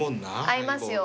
合いますよ。